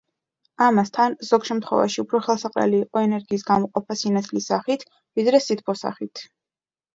ამასთან, ზოგ შემთხვევაში უფრო ხელსაყრელი იყო ენერგიის გამოყოფა სინათლის სახით, ვიდრე სითბოს სახით.